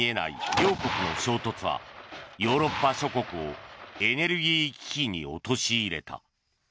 両国の衝突はヨーロッパ諸国をエネルギー危機に陥れた。